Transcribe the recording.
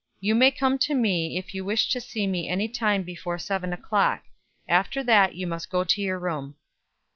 You may come to me, if you wish to see me any time before seven o'clock. After that you must go to your room."